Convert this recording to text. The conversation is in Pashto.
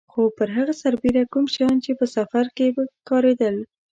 خو پر هغه سربېره کوم شیان چې په سفر کې په کارېدل.